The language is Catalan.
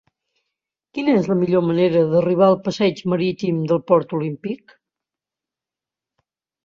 Quina és la millor manera d'arribar al passeig Marítim del Port Olímpic?